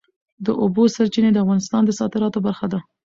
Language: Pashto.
د اوبو سرچینې د افغانستان د صادراتو برخه ده.